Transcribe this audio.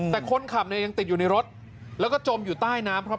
แต่คนขับเนี่ยยังติดอยู่ในรถแล้วก็จมอยู่ใต้น้ำครับ